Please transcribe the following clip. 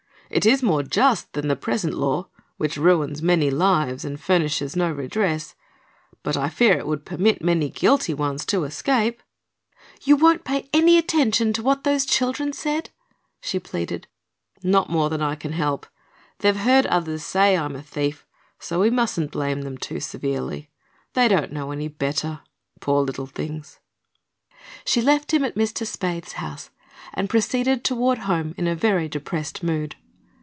It is more just than the present law, which ruins many lives and furnishes no redress, but I fear it would permit many guilty ones to escape." "You won't pay any attention to what those children said?" she pleaded. "Not more than I can help. They've heard others say I am a thief, so we mustn't blame them too severely. They don't know any better poor little things." She left him at Mr. Spaythe's house and proceeded toward home in a very depressed mood.